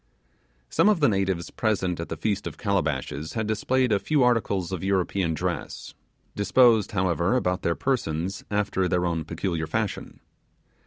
Some of the natives present at the Feast of Calabashes had displayed a few articles of European dress; disposed however, about their persons after their own peculiar fashion.